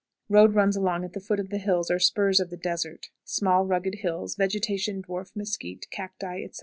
Road runs along at the foot of the hills or spurs of the desert; small rugged hills, vegetation dwarf mesquit, cacti, etc.